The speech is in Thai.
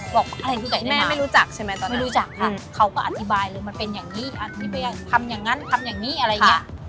บอกว่าอะไรก็ไก่ใต้น้ำไม่รู้จักค่ะเขาก็อธิบายเลยมันเป็นอย่างนี้ทำอย่างนั้นทำอย่างนี้อะไรอย่างเงี้ย